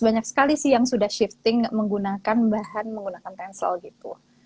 banyak sekali sih yang sudah shifting menggunakan bahan menggunakan tencel gitu